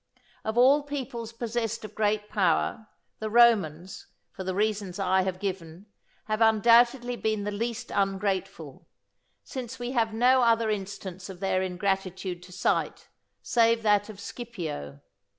Of all peoples possessed of great power, the Romans, for the reasons I have given, have undoubtedly been the least ungrateful, since we have no other instance of their ingratitude to cite, save that of Scipio.